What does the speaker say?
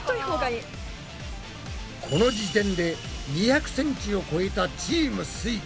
この時点で２００ｃｍを超えたチームすイ。